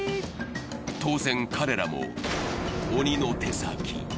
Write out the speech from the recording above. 当然、彼らも鬼の手先。